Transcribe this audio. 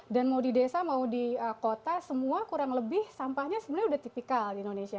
dan mau di desa mau di kota semua kurang lebih sampahnya sebenarnya udah tipikal di indonesia